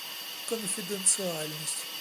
Конфиденциальность